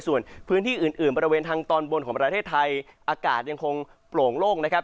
ส่วนพื้นที่อื่นอื่นบริเวณทางตอนบนของประเทศไทยอากาศยังคงโปร่งโล่งนะครับ